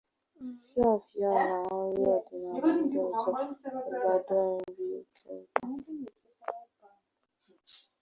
fịọfịọ na nri ọdịnala ndị ọzọ bụgbado nri oke ụtọ